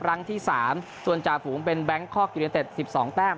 รั้งที่สามส่วนจาฝูงเป็นแบงค์คอร์กยูเน็นเต็ดสิบสองแป้ม